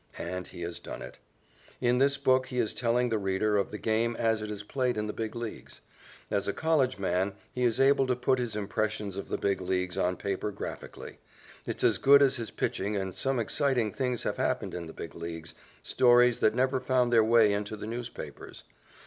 And he has done it. In this book he is telling the reader of the game as it is played in the Big Leagues. As a college man, he is able to put his impressions of the Big Leagues on paper graphically. It's as good as his pitching and some exciting things have happened in the Big Leagues, stories that never found their way into the newspapers.